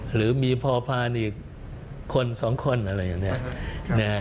หรือมีพอพานอีกคนสองคนอะไรอย่างนี้